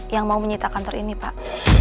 yang mau menyita kantor ini pak